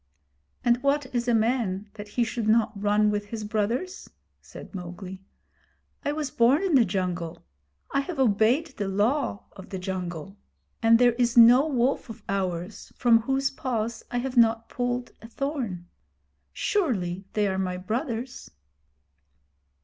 'And what is a man that he should not run with his brothers?' said Mowgli. 'I was born in the jungle. I have obeyed the Law of the Jungle, and there is no wolf of ours from whose paws I have not pulled a thorn. Surely they are my brothers!'